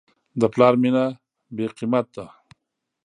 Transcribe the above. د پلار مینه بېقیمت ده.